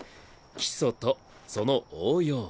基礎とその応用